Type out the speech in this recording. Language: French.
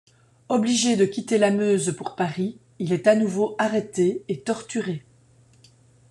Obligé de quitter la Meuse pour Paris, il est à nouveau arrêté et torturé.